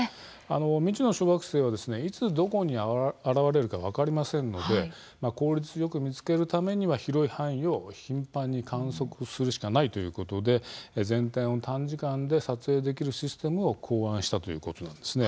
未知の小惑星はいつどこに現れるか分かりませんので効率よく見つけるためには広い範囲を頻繁に観測するしかなく全天を短時間で撮影できるシステムを考案したわけです。